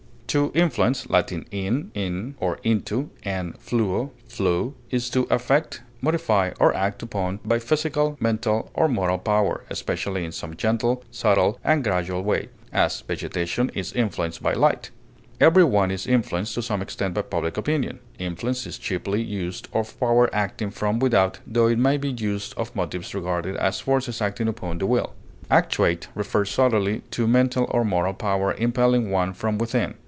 To influence (L. in, in or into, and fluo, flow) is to affect, modify, or act upon by physical, mental, or moral power, especially in some gentle, subtle, and gradual way; as, vegetation is influenced by light; every one is influenced to some extent by public opinion; influence is chiefly used of power acting from without, tho it may be used of motives regarded as forces acting upon the will. Actuate refers solely to mental or moral power impelling one from within.